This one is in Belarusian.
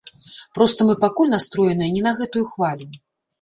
Проста мы пакуль настроеныя не на гэтую хвалю.